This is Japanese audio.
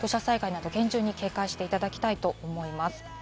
土砂災害などを厳重に警戒していただきたいと思います。